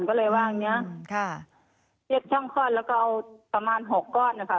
ก็เลยว่าอย่างเงี้ยค่ะเรียกช่องคลอดแล้วก็เอาประมาณหกก้อนนะคะ